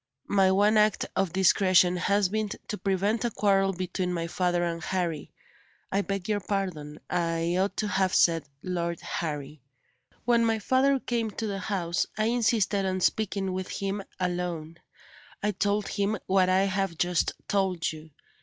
My one act of discretion has been to prevent a quarrel between my father and Harry. I beg your pardon, I ought to have said Lord Harry. When my father came to the house, I insisted on speaking with him alone. I told him what I have just told you.